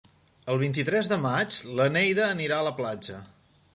El vint-i-tres de maig na Neida anirà a la platja.